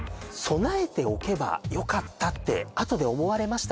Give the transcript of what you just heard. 「備えておけばよかったってあとで思われました？」